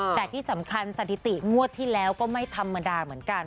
แต่ที่สำคัญสถิติงวดที่แล้วก็ไม่ธรรมดาเหมือนกัน